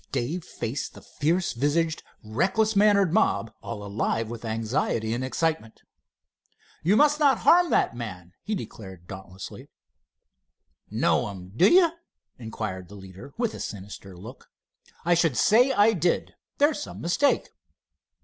Dave faced the fierce visaged, reckless mannered mob, all alive with anxiety and excitement. "You must not harm that man," he declared, dauntlessly. "Know him, do you?" inquired the leader, with a sinister look. "I should say I did. There's some mistake."